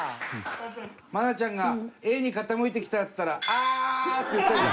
愛菜ちゃんが「Ａに傾いてきた」っつったら「ああ！」って言ったじゃん。